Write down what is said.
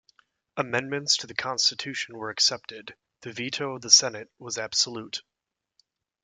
Amendments to the Constitution were excepted: the veto of the Senate was absolute.